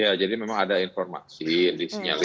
ya jadi memang ada informasi di sinyal